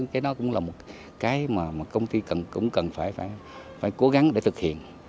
cái đó cũng là một cái mà công ty cần cũng cần phải cố gắng để thực hiện